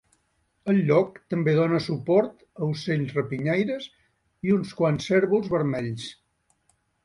El lloc també dona suport a ocells rapinyaires i uns quants cérvols vermells.